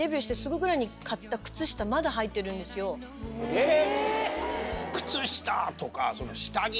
えっ！